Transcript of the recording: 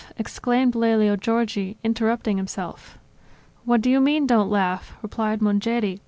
exclaimed Lelio Giorgi, interrupting himself. "What do you mean don't laugh?" replied Mongeri.